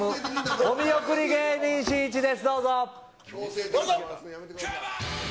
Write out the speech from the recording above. お見送り芸人しんいちです。